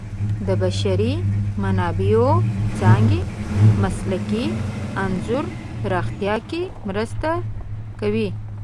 د بشري منابعو څانګې مسلکي انځور پراختیا کې مرسته کوي.